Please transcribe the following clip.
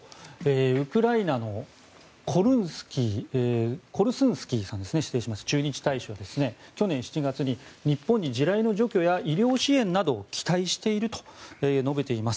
ウクライナのコルスンスキー駐日大使は去年７月に日本に地雷の除去や医療支援などを期待していると述べています。